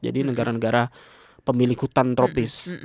jadi negara negara pemilik hutan tropis